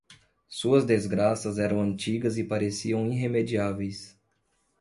Suas desgraças eram antigas e pareciam irremediáveis.